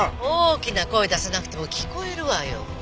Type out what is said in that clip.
大きな声出さなくても聞こえるわよ。